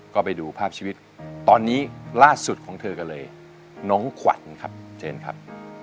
ก็ไปดูภาพชีวิตตอนนี้ล่าสุดของเธอกันเลยน้องขวัญครับเชิญครับ